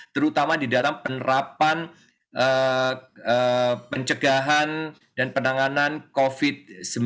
terutama di dalam penerapan pencegahan dan penanganan covid sembilan belas